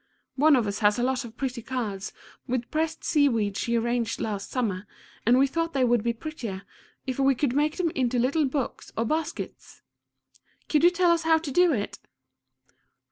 One of us has a lot of pretty cards with pressed sea weed she arranged last summer, and we thought they would be prettier if we could make them into little books or baskets. Could you tell us how to do it?